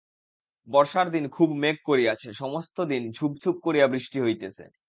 বর্ষার দিন খুব মেঘ করিয়াছে, সমস্ত দিন ঝুপ ঝুপ করিয়া বৃষ্টি হইতেছে।